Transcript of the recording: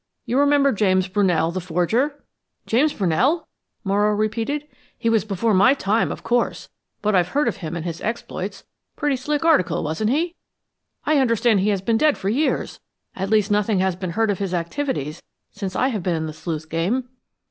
You remember James Brunell, the forger?" "James Brunell?" Morrow repeated. "He was before my time, of course, but I've heard of him and his exploits. Pretty slick article, wasn't he! I understand he has been dead for years at least nothing has been heard of his activities since I have been in the sleuth game."